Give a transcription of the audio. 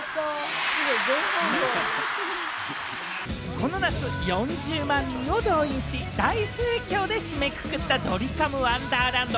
この夏、４０万人を動員し、大盛況で締めくくった「ドリカムワンダーランド」。